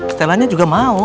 stellanya juga mau